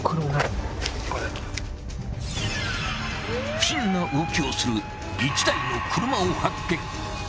不審な動きをする１台の車を発見。